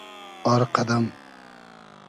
آر قئدئم